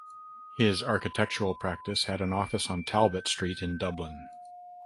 His architectural practice had an office on Talbot Street in Dublin.